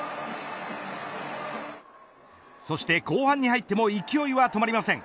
そして後半に入っても勢いは止まりません。